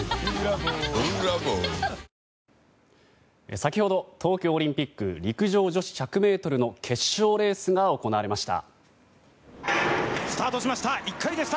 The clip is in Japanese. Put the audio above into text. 先ほど東京オリンピック陸上女子１００ｍの決勝レースが行われました。